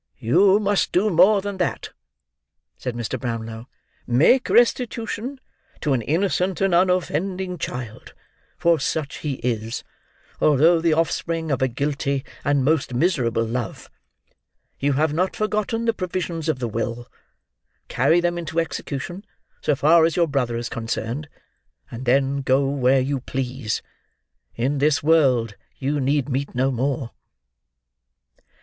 "You must do more than that," said Mr. Brownlow. "Make restitution to an innocent and unoffending child, for such he is, although the offspring of a guilty and most miserable love. You have not forgotten the provisions of the will. Carry them into execution so far as your brother is concerned, and then go where you please. In this world you need meet no more."